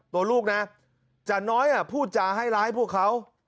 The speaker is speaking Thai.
ตัวลูกนะจ่าน้อยพูดจาให้ร้ายพวกเขา